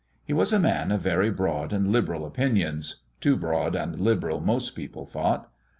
He was a man of very broad and liberal opinions too broad and liberal most people thought.